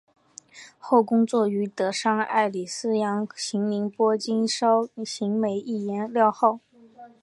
后工作于德商爱礼司洋行宁波经销行美益颜料号。